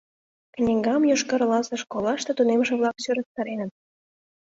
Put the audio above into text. Книгам Йошкар-Оласе школлаште тунемше-влак сӧрастареныт